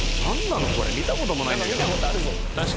見たこともないんだけど。